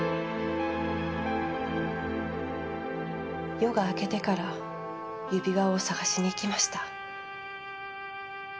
夜が明けてから指輪を探しに行きました。